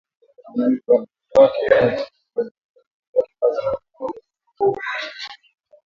na mji wake pacha wa Omdurman mashahidi walisema